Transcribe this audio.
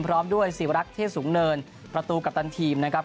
พร้อมด้วยศิวรักษ์เทศสูงเนินประตูกัปตันทีมนะครับ